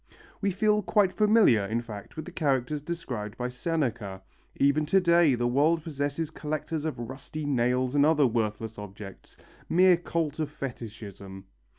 We feel quite familiar, in fact, with the characters described by Seneca. Even to day the world possesses collectors of rusty nails and other worthless objects mere cult of fetishism.